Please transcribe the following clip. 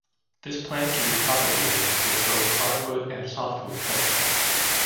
This plant can be propagated with both hardwood and softwood cuttings.